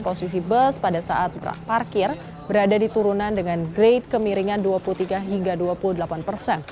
posisi bus pada saat parkir berada di turunan dengan grade kemiringan dua puluh tiga hingga dua puluh delapan persen